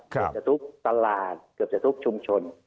เกือบจะทุกตลาดเกือบจะทุกชุมชน